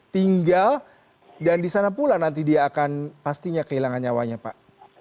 tinggal dan di sana pula nanti dia akan pastinya kehilangan nyawanya pak